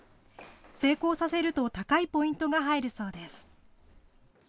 成功させると高いポイントが入るそうです。